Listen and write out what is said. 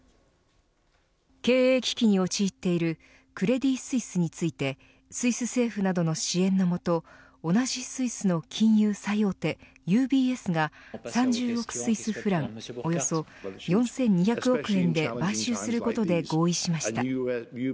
経営危機に陥っているクレディ・スイスについてスイス政府などの支援の下同じスイスの金融最大手ＵＢＳが３０億スイスフランおよそ４２００億円で買収することで合意しました。